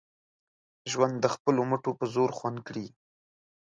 ژوند د خپلو مټو په زور خوند کړي